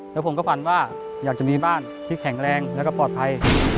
แล้วผมก็ฝันว่าอยากจะมีบ้านที่แข็งแรงแล้วก็ปลอดภัย